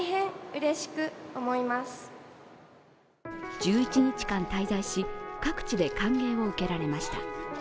１１日間滞在し各地で歓迎を受けられました。